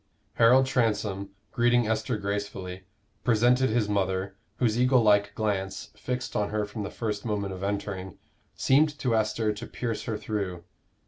Harold Transome, greeting Esther gracefully, presented his mother, whose eagle like glance, fixed on her from the first moment of entering, seemed to Esther to pierce her through.